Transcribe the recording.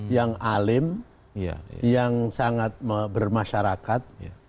yang alim yang sangat bermasyarakat